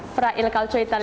apa yang lebih penting